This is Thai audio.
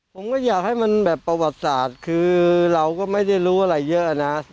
ผมก็อยากให้มันแบบประวัติศาสตร์คือเราก็ไม่ได้รู้อะไรเยอะนะ